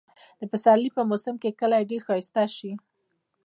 د پسرلي په موسم کې کلى ډېر ښايسته شي.